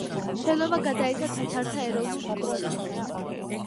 შენობა გადაეცა თათართა ეროვნულ სკოლას.